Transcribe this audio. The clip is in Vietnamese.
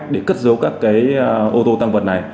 để cất giấu các ô tô tăng vật này